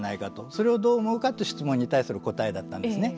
それをどう思うかという質問に対する答えだったんですね。